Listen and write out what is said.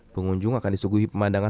pengunjung akan disuguhi pemandangan